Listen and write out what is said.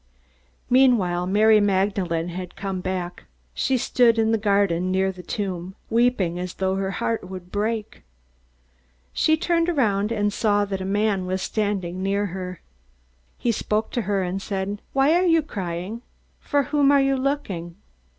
Meanwhile Mary Magdalene had come back. She stood in the garden near the tomb, weeping as though her heart would break. She turned around, and saw that a man was standing near her. He spoke to her, and said: "Why are you crying? For whom are you looking?"